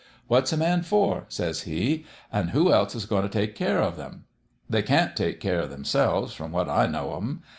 What's a man for ?' says he. * An' who else is goin' t' take care o' them? They can't take care o' themselves, from what / know o' them.